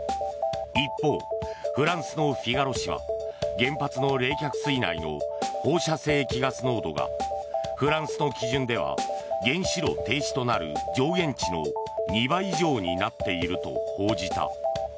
一方、フランスのフィガロ紙は原発の冷却水内の放射性希ガス濃度がフランスの基準では原子炉停止となる上限値の２倍以上になっていると報じた。